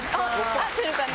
合ってるかな？